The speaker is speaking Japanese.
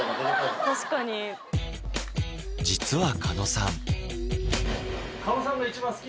実は狩野さん